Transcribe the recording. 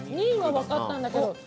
２位は分かったんだけど。